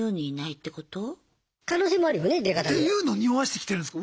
っていうのをにおわせてきてるんすか？